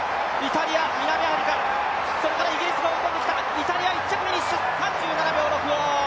イタリア１着フィニッシュ、３７秒６５。